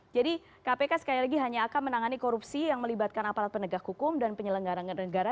jadi kpk sekali lagi hanya akan menangani korupsi yang melibatkan aparat penegak hukum dan penyelenggaran negara